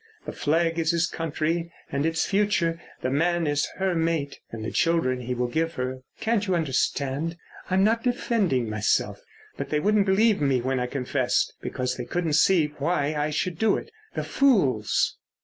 The flag is his country and its future. The man is her mate and the children he will give her.... Can't you understand? I'm not defending myself; but they wouldn't believe me when I confessed, because they couldn't see why I should do it. The fools!"